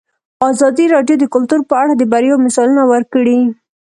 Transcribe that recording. ازادي راډیو د کلتور په اړه د بریاوو مثالونه ورکړي.